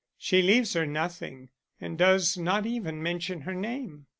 She leaves her nothing; and does not even mention her name.